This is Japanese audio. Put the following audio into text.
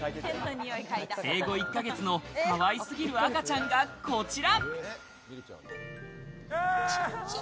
生後１ヶ月のかわいすぎる赤ちゃんがこちら。